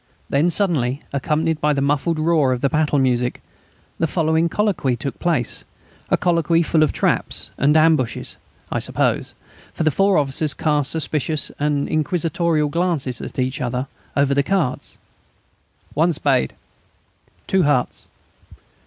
Then suddenly, accompanied by the muffled roar of the battle music, the following colloquy took place, a colloquy full of traps and ambushes, I suppose, for the four officers cast suspicious and inquisitorial glances at each other over their cards: "One spade." "Two hearts."